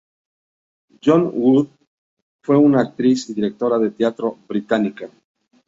John Wood, fue una actriz y directora de teatro británica.